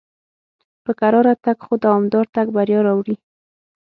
په کراره تګ خو دوامدار تګ بریا راوړي.